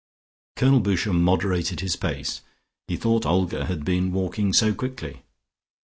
Colonel Boucher moderated his pace. He thought Olga had been walking so quickly.